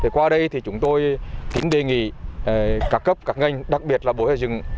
qua đây thì chúng tôi kính đề nghị các cấp các ngành đặc biệt là bộ xây dựng